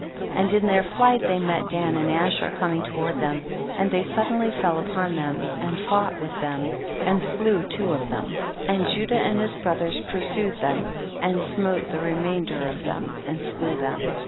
47. And in their fliglit they met Dan and Asher coming toward them, and they suddenly fell upon them, and fought with them, and slew two of them, and Judah and his brothers pursued them, and smote the remain der of them, and slew them.